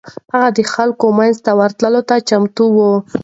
هغه د خلکو منځ ته ورتلو ته چمتو و.